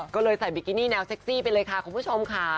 ก็เลยใส่บิกินี่แนวเซ็กซี่ไปเลยค่ะคุณผู้ชมค่ะ